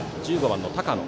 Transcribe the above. １５番の高野。